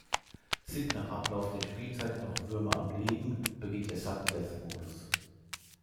Sind nach Ablauf der Spielzeit noch Würmer am Leben, beginnt der „Sudden-Death“-Modus.